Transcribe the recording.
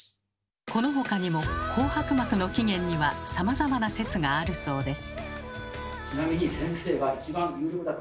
このほかにも紅白幕の起源にはさまざまな説があるそうです。